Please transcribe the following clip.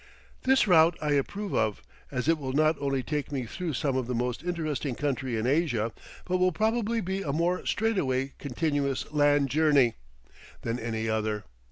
This route I approve of, as it will not only take me through some of the most interesting country in Asia, but will probably be a more straightaway continuous land journey than any other.